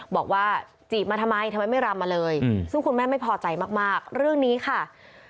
บอกว่าจีบมาทำไมทำไมไม่รำมาเลยซึ่งคุณแม่ไม่พอใจมากเรื่องนี้ค่ะ